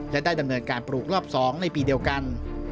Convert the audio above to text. และได้ดำเนินการปลูกรอบ๒ในปีเดียวกัน